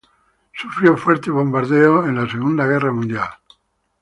Sufrió fuertes bombardeos en la Segunda Guerra Mundial.